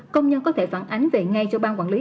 công nhân có thể phản ánh về ngay cho ban quản lý